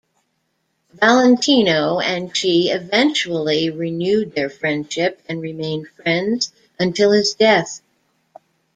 Valentino and she eventually renewed their friendship, and remained friends until his death.